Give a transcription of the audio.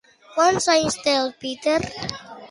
Quants anys té el Peter?